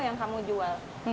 yang kamu jual